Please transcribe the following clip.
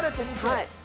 はい。